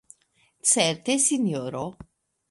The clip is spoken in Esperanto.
Certe, Sinjoro!